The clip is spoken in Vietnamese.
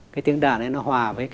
cái tiếng đàn này nó hòa với